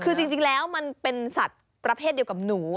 คือจริงแล้วมันเป็นสัตว์ประเภทเดียวกับหนู